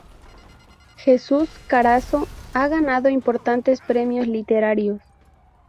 Jesús Carazo ha ganado importantes premios literarios.